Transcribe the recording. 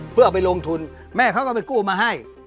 เพื่อเอาไปลงทุนแม่เขาก็ไปกู้มาให้